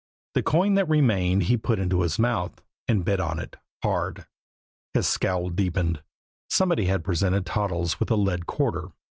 The coin that remained he put into his mouth, and bit on it hard. His scowl deepened. Somebody had presented Toddles with a lead quarter.